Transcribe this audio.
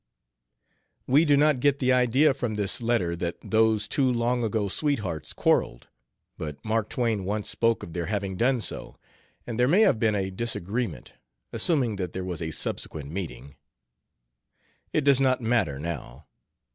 We do not get the idea from this letter that those two long ago sweethearts quarreled, but Mark Twain once spoke of their having done so, and there may have been a disagreement, assuming that there was a subsequent meeting. It does not matter, now.